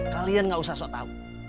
kalian gak usah sok tahu